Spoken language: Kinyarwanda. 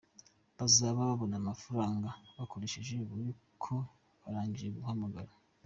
Bazaya babona amafaranga bakoresheje buri uko barangije guhamagara.